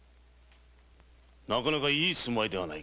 なかなかいい住まいではないか。